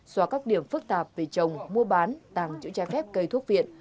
xóa các điểm phức tạp về trồng mua bán tàng trữ trái phép cây thuốc viện